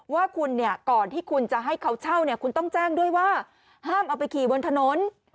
ว่าคุณเนี่ยก่อนที่คุณจะให้เขาเช่าเนี่ยคุณต้องแจ้งด้วยว่าห้ามเอาไปขี่บนถนน